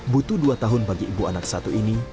butuh dua tahun bagi ibu anak satu ini